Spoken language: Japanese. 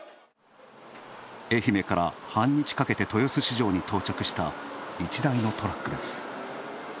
愛媛から半日かけて豊洲市場に到着した１台のトラックです。